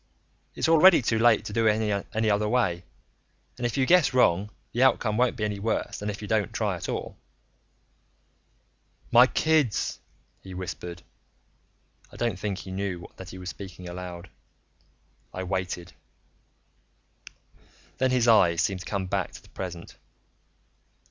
It's already too late to do it any other way. And if you guess wrong, the outcome won't be any worse than if you don't try at all." "My kids," he whispered. I don't think he knew that he was speaking aloud. I waited. Then his eyes seemed to come back to the present.